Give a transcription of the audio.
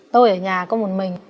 tôi ở nhà có một mình